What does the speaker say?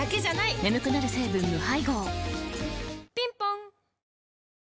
眠くなる成分無配合ぴんぽん